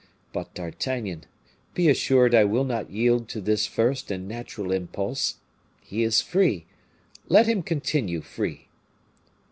But, D'Artagnan, be assured I will not yield to this first and natural impulse. He is free let him continue free."